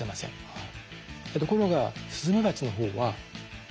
はい。